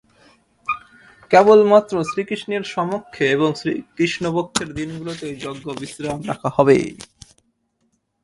কেবলমাত্র শ্রীকৃষ্ণের সমক্ষে এবং কৃষ্ণপক্ষের দিনগুলোতে এই যজ্ঞ বিশ্রাম রাখা হবে।